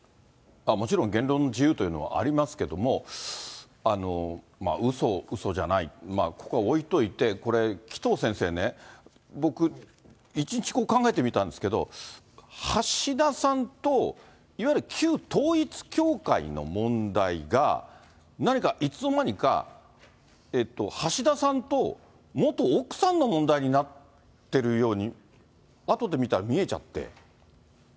もちろん言論の自由というのはありますけども、うそ、うそじゃない、ここは置いといて、これ、紀藤先生ね、僕、一日考えてみたんですけど、橋田さんといわゆる旧統一教会の問題が、何かいつの間にか、橋田さんと元奥さんの問題になってるように、あとで見たら見えちゃって。